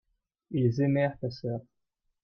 ils aimèrent ta sœur.